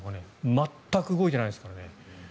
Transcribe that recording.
全く動いてないですからね。